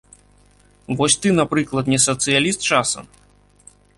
Вось ты, напрыклад, не сацыяліст часам?